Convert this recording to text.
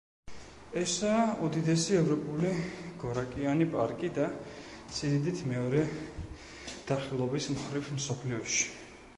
ესაა უდიდესი ევროპული გორაკიანი პარკი და სიდიდით მეორე დახრილობის მხრივ მსოფლიოში.